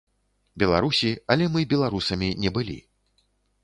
Беларусі, але мы беларусамі не былі.